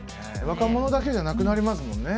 若者だけじゃなくなりますもんね